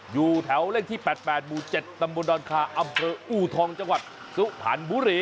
อยู่แถวเลขที่แปดแปดหมู่เจ็ดตำบนดอนคาอัมเกอร์อู่ทองจังหวัดสุภัณฑ์บุรี